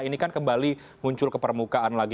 ini kan kembali muncul ke permukaan lagi